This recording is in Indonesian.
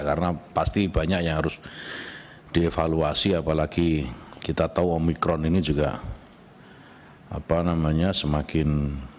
karena pasti banyak yang harus dievaluasi apalagi kita tahu omikron ini juga semakin